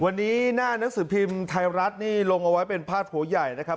วันนี้หน้านังสือพิมพ์ไทยรัฐนี่ลงเอาไว้เป็นพาดหัวใหญ่นะครับ